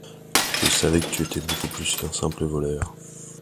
Je savais que tu étais beaucoup plus qu'un simple voleur.